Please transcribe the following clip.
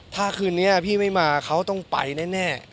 ถ้าคืนนี้พี่ไม่มาเขาต้องไปแน่